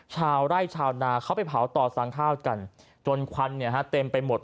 ชาวไร่ชาวนาเขาไปเผาต่อสั่งข้าวกันจนควันเนี่ยฮะเต็มไปหมด